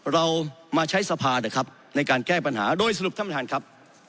เรามาใช้สภานะครับในการแก้ปัญหาโดยสรุปท่านประธานครับ